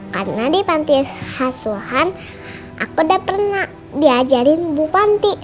karena di panti suhan aku udah pernah diajarin bu panti